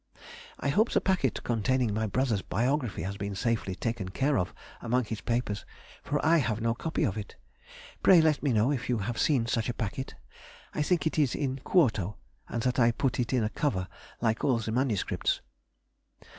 (I hope the packet containing my brother's biography has been safely taken care of among his papers, for I have no copy of it; pray let me know if you have seen such a packet, I think it is in quarto, and that I put it in a cover like all the MSS.)